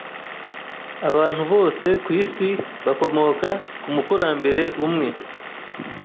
Abantu bose kwisi bakomoka kumukurambere umwe.